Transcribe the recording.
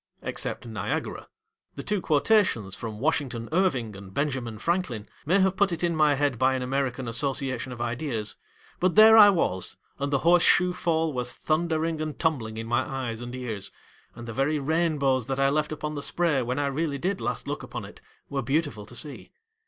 Except Niagara. The two quotations from Washington Irving and Benjamin Franklin may have put it in my head by an American association of ideas ; but there I was, and the Horse shoe Fall was thundering and tumbling in my eyes and ears, and the very rainbows that 1 left upon the spray when I really did last look upon it, were beautiful to see.